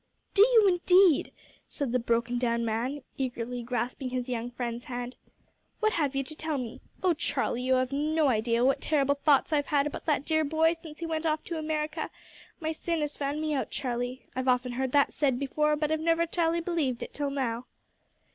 "Do you indeed?" said the broken down man, eagerly grasping his young friend's hand. "What have you to tell me? Oh Charlie, you have no idea what terrible thoughts I've had about that dear boy since he went off to America! My sin has found me out, Charlie. I've often heard that said before, but have never tally believed it till now."